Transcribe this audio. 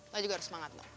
lo juga harus semangat no